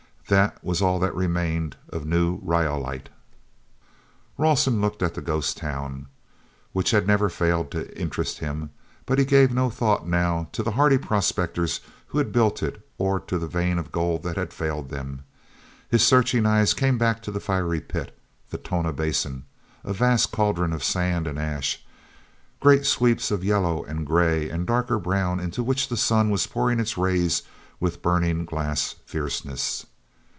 This was all that remained of New Rhyolite. Rawson looked at the "ghost town" which had never failed to interest him, but he gave no thought now to the hardy prospectors who had built it or to the vein of gold that had failed them. His searching eyes came back to the fiery pit, the Tonah Basin, a vast cauldron of sand and ash—great sweeps of yellow and gray and darker brown into which the sun was pouring its rays with burning glass fierceness.